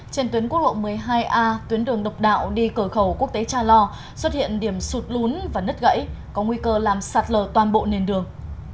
trên tuyến quốc lộ một mươi hai a tuyến đường độc đạo đi cửa khẩu quốc tế cha lo xuất hiện điểm sụt lún và nứt gãy có nguy cơ làm sạt lở toàn bộ nền đường